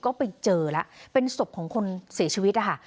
ก็ไปเจอแล้วเป็นศพของคนเสียชีวิตนะคะ